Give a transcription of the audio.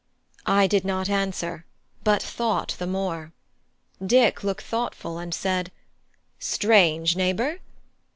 I did not answer, but thought the more. Dick looked thoughtful, and said: "Strange, neighbour?